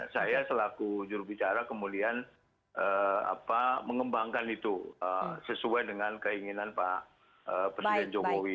saya selaku jurubicara kemudian mengembangkan itu sesuai dengan keinginan pak presiden jokowi